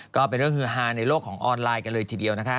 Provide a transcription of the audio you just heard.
ก็เป็นเรื่องฮือฮาในโลกของออนไลน์กันเลยทีเดียวนะคะ